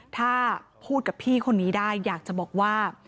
ถ้าพูดกับพี่คนนี้ได้อยากจะบอกว่า